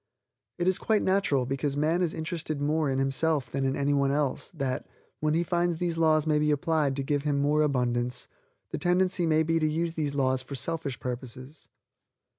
It is quite natural, because man is interested more in himself than in any one else, that, when he finds these laws may be applied to give him more abundance, the tendency may be to use these laws for selfish purposes.